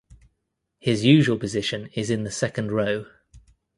His usual position is in the second row.